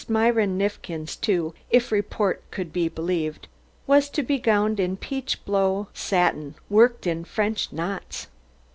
Myron Neifkins, too, if report could be believed, was to be gowned in peach blow satin worked in French knots.